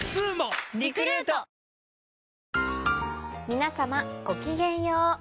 ⁉皆様ごきげんよう。